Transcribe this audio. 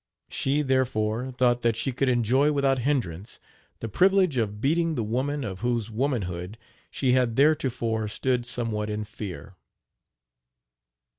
She, therefore, thought that she could enjoy, without hindrance, the privilege of beating the woman of whose womanhood she had theretofore stood somewhat in fear.